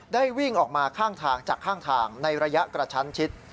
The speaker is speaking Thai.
วิ่งออกมาข้างทางจากข้างทางในระยะกระชั้นชิด